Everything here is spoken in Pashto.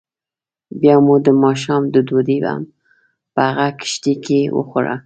بیا مو دماښام ډوډۍ هم په همغه کښتۍ کې وخوړه.